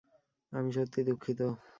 আমি সত্যি দুঃখিত।